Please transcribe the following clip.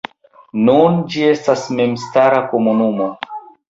Nun ĝi estas memstara komunumo.